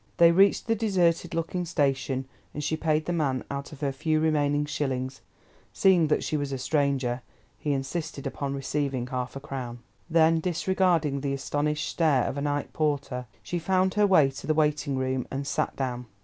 They reached the deserted looking station, and she paid the man out of her few remaining shillings—seeing that she was a stranger, he insisted upon receiving half a crown. Then, disregarding the astonished stare of a night porter, she found her way to the waiting room, and sat down.